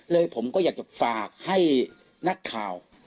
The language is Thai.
เลยผมก็อยากให้ฝากให้นัดข่าว